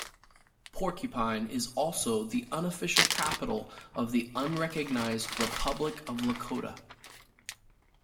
Porcupine is also the unofficial capital of the unrecognized Republic of Lakotah.